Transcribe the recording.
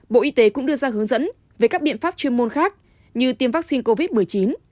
bộ y tế cũng đưa ra hướng dẫn về các biện pháp chuyên môn khác như tiêm vaccine covid một mươi chín